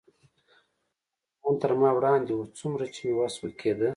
موټروانان تر ما وړاندې و، څومره چې مې وس کېده.